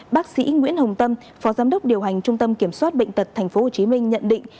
bác sĩ nguyễn hồng tâm phó giám đốc điều hành trung tâm kiểm soát bệnh tật tp hcm nhận định